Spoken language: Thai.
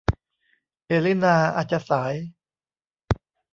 เอลินาอาจจะสาย